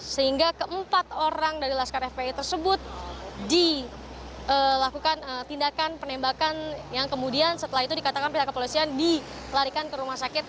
sehingga keempat orang dari laskar fpi tersebut dilakukan tindakan penembakan yang kemudian setelah itu dikatakan pihak kepolisian dilarikan ke rumah sakit